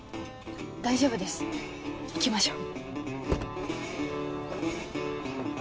大丈夫です行きましょう。